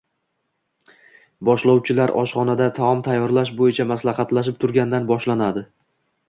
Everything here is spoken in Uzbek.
boshlovchilar oshxonada taom tayyorlash bo’yicha baxslashib turgandan boshlanadi.